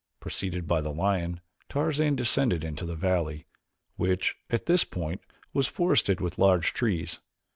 Preceded by the lion Tarzan descended into the valley, which, at this point, was forested with large trees.